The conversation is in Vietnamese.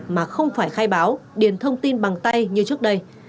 mà không phải khai báo điền thông tin bằng tay như trước đây